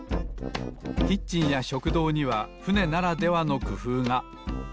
キッチンや食堂にはふねならではのくふうが。